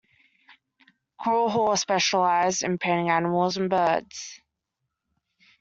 Crawhall specialised in painting animals and birds.